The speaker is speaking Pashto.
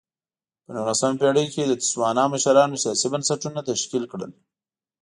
په نولسمه پېړۍ کې د تسوانا مشرانو سیاسي بنسټونه تشکیل کړل.